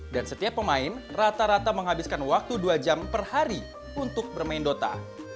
dan setiap pemain rata rata menghabiskan waktu dua jam per hari untuk bermain dota